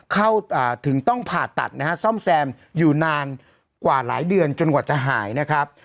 ถึงต้องผ่าตัดนะฮะซ่อมแซมอยู่นานกว่าหลายเดือนจนกว่าจะหายนะครับ